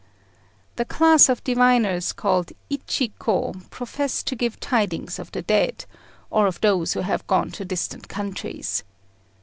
The class of diviners called Ichiko profess to give tidings of the dead, or of those who have gone to distant countries.